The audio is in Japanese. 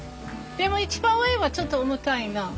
でも一番上はちょっと重たいな。